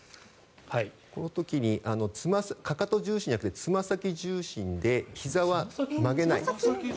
この時にかかと重心じゃなくてつま先重心でひざは曲げない。